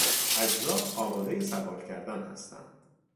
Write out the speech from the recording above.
اجزا آمادهی سوار کردن هستند.